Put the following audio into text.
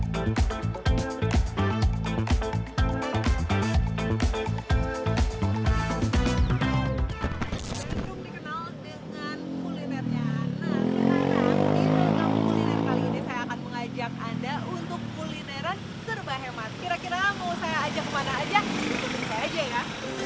mengajak anda untuk kulineran serba hemat kira kira mau saya ajak mana aja aja ya